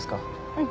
うん。